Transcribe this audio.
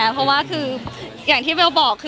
เพราะว่าคืออย่างที่เบลบอกคือ